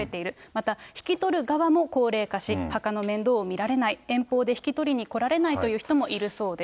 また、引き取る側も高齢化し、墓の面倒を見られない、遠方で引き取りに来られないという人もいるそうです。